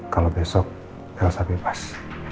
kalau besok elsa bebas